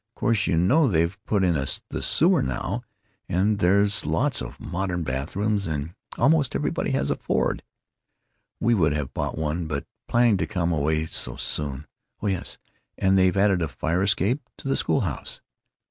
Of course you know they've put in the sewer now, and there's lots of modern bath rooms, and almost everybody has a Ford. We would have bought one, but planning to come away so soon——Oh yes, and they've added a fire escape to the school house."